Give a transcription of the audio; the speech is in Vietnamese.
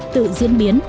tự diễn biến